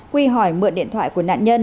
quy hỏi mượn điện thoại của nạn nhân